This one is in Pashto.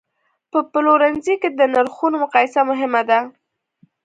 په پلورنځي کې د نرخونو مقایسه مهمه ده.